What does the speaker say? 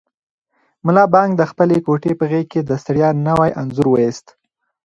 ملا بانګ د خپلې کوټې په غېږ کې د ستړیا نوی انځور وایست.